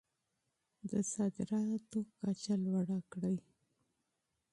د صادراتو کچه لوړه کړئ.